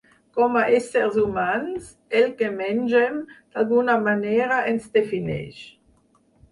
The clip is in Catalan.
Com a éssers humans, el que mengem, d’alguna manera, ens defineix.